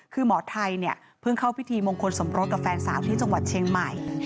คือหมอไทยเนี่ยเพิ่งเข้าพิธีมงคลสมรสกับแฟนสาวที่จังหวัดเชียงใหม่